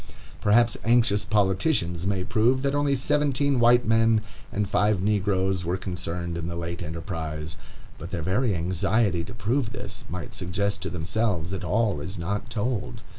Perhaps anxious politicians may prove that only seventeen white men and five negroes were concerned in the late enterprise, but their very anxiety to prove this might suggest to themselves that all is not told.